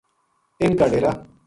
ا ِنھ کا ڈیرا